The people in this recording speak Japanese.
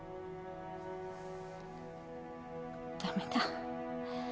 ダメだ。